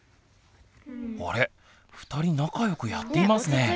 あれ２人仲良くやっていますねぇ。